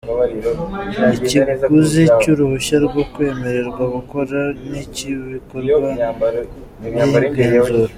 Ikiguzi cy’uruhushya rwo kwemererwa gukora n’icy’ibikorwa by’igenzura